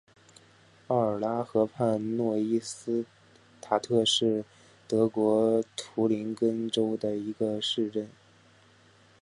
奥尔拉河畔诺伊斯塔特是德国图林根州的一个市镇。